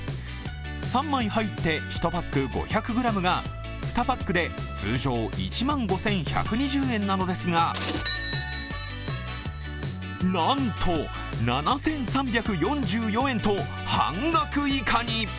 ３枚入って１パック５００ｇが２パックで通常１万５１２０円なのですが、なんと７３４４円と半額以下に。